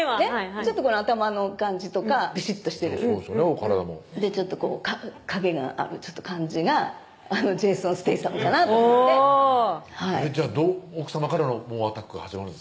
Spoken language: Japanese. この頭の感じとかびしっとしてるちょっと陰がある感じがジェイソン・ステイサムかなと思ってじゃあ奥さまからの猛アタックが始まるんですか？